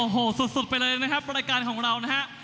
โอ้โหสุดไปเลยนะครับรายการของเรานะฮะ